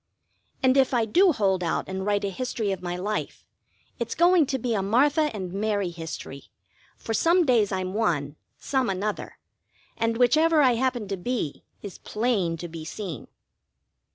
And if I do hold out and write a history of my life, it's going to be a Martha and Mary history; for some days I'm one, some another, and whichever I happen to be is plain to be seen.